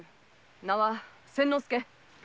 名は千之助。